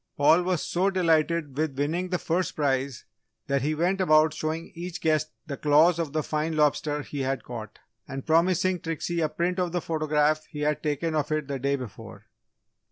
Paul was so delighted with winning the first prize that he went about showing each guest the claws of the fine lobster he had caught and promising Trixie a print of the photograph he had taken of it the day before.